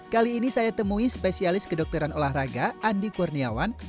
kali ini saya temui spesialis kedokteran olahraga andi kurniawan